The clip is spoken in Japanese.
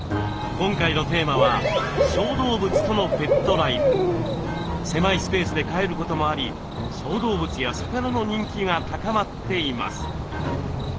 今回のテーマは狭いスペースで飼えることもあり小動物や魚の人気が高まっています。